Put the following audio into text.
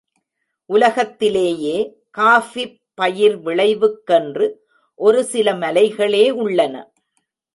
உலகத்திலேயே காஃபிப் பயிர் விளைவுக்கென்று ஒரு சில மலைகளே உள்ளன.